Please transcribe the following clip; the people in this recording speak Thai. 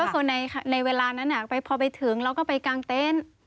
ก็คือในเวลานั้นพอไปถึงเราก็ไปกลางเต้น